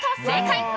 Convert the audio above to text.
正解！